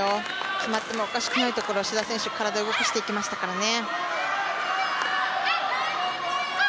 決まってもおかしくないところ志田選手、体を動かしていきましたからね。